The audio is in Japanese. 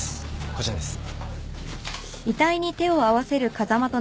こちらです。